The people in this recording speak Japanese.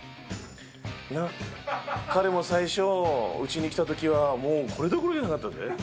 彼も最初、うちに来たときはもうこれどころじゃなかった。